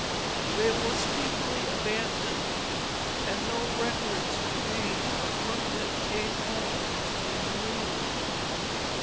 They were speedily abandoned, and no records remain of permanent cave homes in New England.